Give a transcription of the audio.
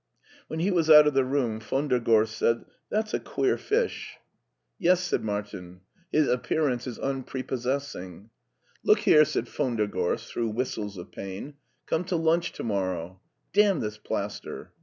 When he was out of the room, von der Gorst said : ^'That's a queer fish." 96 MARTIN SCHULER " Yes," said Martin ;" his appearance is unprepos sessing." " Look here," said von der Gorst, through whistles of pain, "come to lunch to morrow. Damn this plaster